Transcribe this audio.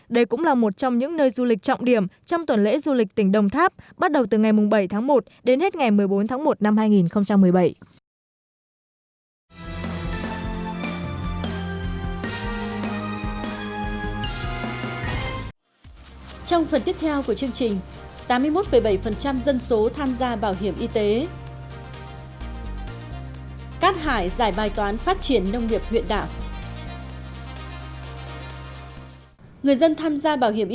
đây cũng là một trong những nơi du lịch trọng điểm